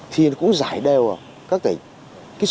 thì cũng giải đều các tỉnh